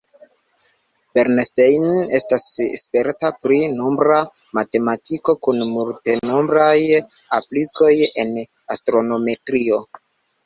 Bernstein estas sperta pri nombra matematiko, kun multenombraj aplikoj en astrometrio.